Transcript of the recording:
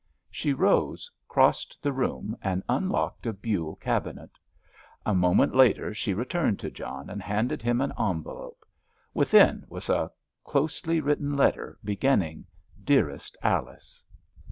She rose, crossed the room, and unlocked a buhl cabinet. A moment later she returned to John, and handed him an envelope. Within was a closely written letter beginning: "Dearest Alice."